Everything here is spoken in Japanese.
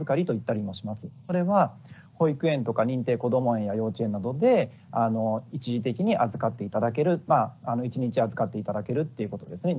これは保育園とか認定こども園や幼稚園などで一時的に預かって頂けるまあ一日預かって頂けるっていうことですね日中ですね。